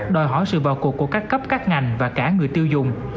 đòi hỏi sự vào cuộc của các cấp các ngành và cả người tiêu dùng